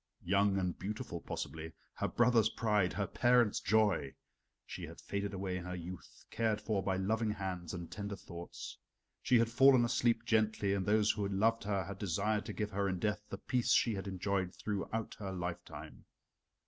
Young and beautiful possibly her brothers' pride, her parents' joy. She had faded away in her youth, cared for by loving hands and tender thoughts. She had fallen asleep gently, and those who loved her had desired to give her in death the peace she had enjoyed throughout her lifetime.